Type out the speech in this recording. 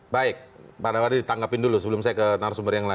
baik pak rawadi ditangkapin dulu sebelum saya ke narasumber yang lain